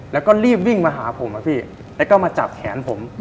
แล้วก็รีบวิ่งมาหาผมอะพี่แล้วก็มาจับแขนผม